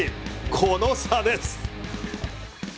この差です。